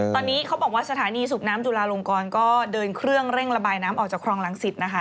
ตอนนี้เขาบอกว่าสถานีสูบน้ำจุลาลงกรก็เดินเครื่องเร่งระบายน้ำออกจากคลองรังสิตนะคะ